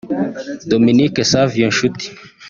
Dominique Savio Nshuti